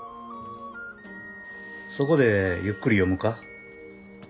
そこでゆっくり読むか？